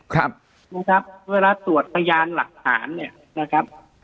ครับนะครับเวลาตรวจพยานหลักฐานเนี่ยนะครับ